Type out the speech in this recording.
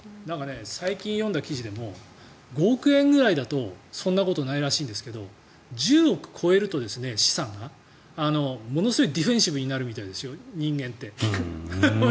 最近読んだ記事でも５億円ぐらいだとそんなことないらしいですけど資産が１０億超えるとものすごいディフェンシブになるみたいですよ人間って。